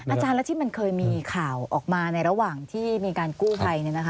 อาจารย์แล้วที่มันเคยมีข่าวออกมาในระหว่างที่มีการกู้ภัย